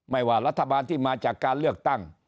ว่ารัฐบาลที่มาจากการเลือกตั้ง